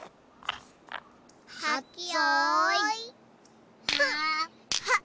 はっけよいはっ！